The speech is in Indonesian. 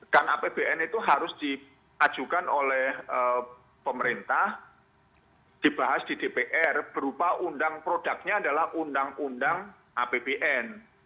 karena apbn itu harus diajukan oleh pemerintah dibahas di dpr berupa undang produknya adalah undang undang apbn